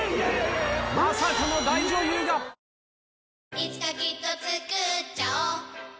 いつかきっとつくっちゃおう